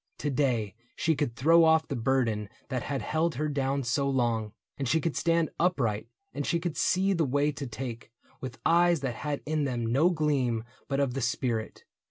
To day she could throw off The burden that had held her down so long. And she could stand upright, and she could see The way to take, with eyes that had in them No gleam but of the spirit.